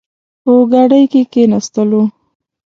په ګاډۍ کې کښېناستلو.